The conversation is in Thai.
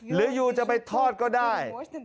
ยูจะไปทอดก็ได้